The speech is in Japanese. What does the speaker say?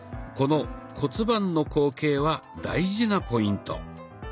この骨盤の後傾は大事なポイント。